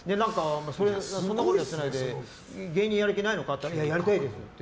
いろんなことやってないで芸人やる気ないのかって言ったらやりたいですって。